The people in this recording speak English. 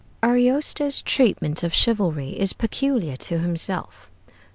Ariosto's treatment of chivalry is peculiar to himself.